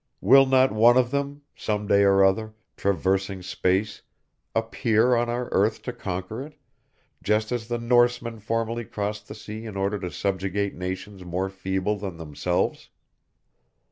Will not one of them, some day or other, traversing space, appear on our earth to conquer it, just as the Norsemen formerly crossed the sea in order to subjugate nations more feeble than themselves?